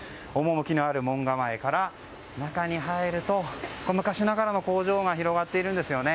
趣のある門構えから中に入ると昔ながらの工場が広がっています。